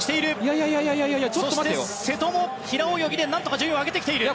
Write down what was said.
瀬戸も平泳ぎで何とか順位を上げてきている。